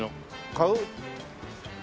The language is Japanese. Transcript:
買う？